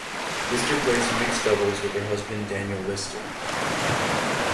Lister plays mixed doubles with her husband Daniel Lister.